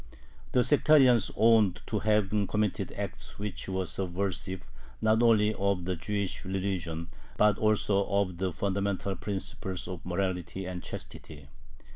The sectarians owned to having committed acts which were subversive not only of the Jewish religion but also of the fundamental principles of morality and chastity.